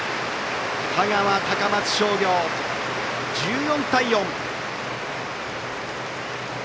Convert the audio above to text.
香川・高松商業、１４対４。